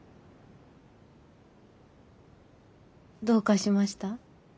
どうかしました？